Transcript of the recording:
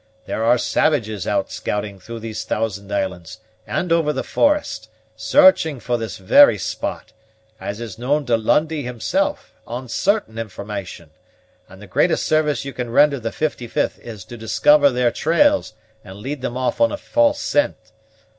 There are savages out scouting through these Thousand Islands and over the forest, searching for this very spot, as is known to Lundie himself, on certain information; and the greatest service you can render the 55th is to discover their trails and lead them off on a false scent.